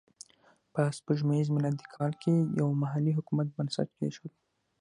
په سپوږمیز میلادي کال کې یې یو محلي حکومت بنسټ کېښود.